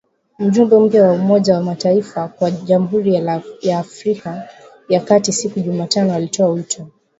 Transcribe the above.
Mjumbe mpya wa Umoja wa mataifa kwa Jamhuri ya Afrika ya kati siku ya Jumatano alitoa wito